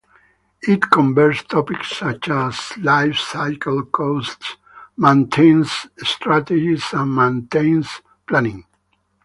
It covers topics such as life cycle costs, maintenance strategies, and maintenance planning.